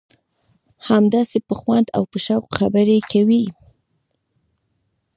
همداسې په خوند او په شوق خبرې کوي.